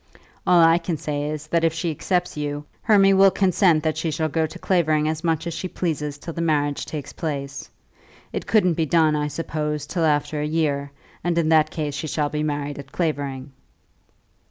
All I can say is, that if she accepts you, Hermy will consent that she shall go to Clavering as much as she pleases till the marriage takes place. It couldn't be done, I suppose, till after a year; and in that case she shall be married at Clavering."